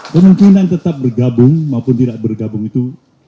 kemungkinan tetap bergabung maupun tidak bergabung itu